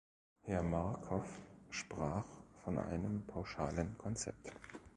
Herr Markov sprach von einem "pauschalen Konzept".